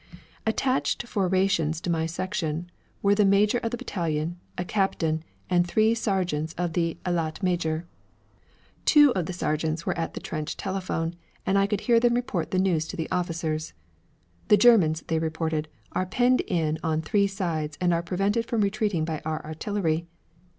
Attached for rations to my section were the major of the battalion, a captain, and three sergeants of the état major. Two of the sergeants were at the trench telephone, and I could hear them report the news to the officers. 'The Germans' they reported, 'are penned in on three sides and are prevented from retreating by our artillery.'